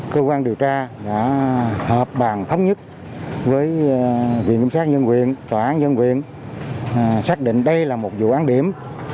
cơ quan điều tra đã họp bàn thống nhất với viện kiểm sát nhân quyền tòa án nhân quyền xác định đây là một vụ án điểm